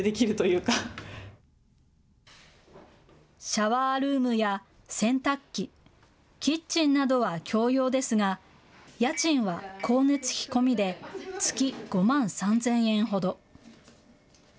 シャワールームや洗濯機、キッチンなどは共用ですが家賃は光熱費込みで月５万３０００円ほど。